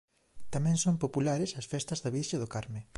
Tamén son populares as festas da Virxe do Carme.